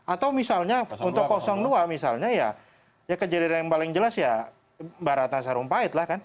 atau misalnya untuk dua misalnya ya kejadian yang paling jelas ya mbak ratna sarumpahit lah kan